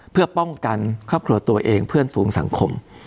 เพื่อป้องกันครอบครัวตัวเองเพื่อนฝูงสังคม